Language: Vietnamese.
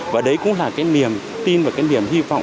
và đấy cũng là cái niềm tin và cái niềm hy vọng